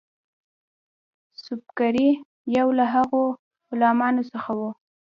سُبکري یو له هغو غلامانو څخه وو.